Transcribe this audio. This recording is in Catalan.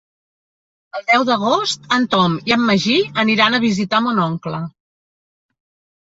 El deu d'agost en Tom i en Magí aniran a visitar mon oncle.